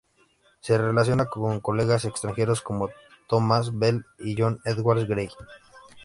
Se relaciona con colegas extranjeros como Thomas Bell y John Edward Gray.